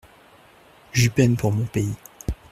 J'eus peine pour mon pays.